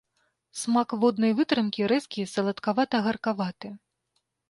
Смак воднай вытрымкі рэзкі, саладкавата-гаркаваты.